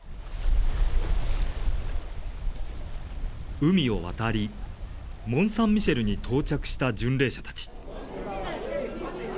海を渡り、モンサンミシェルに到着した巡礼者たち。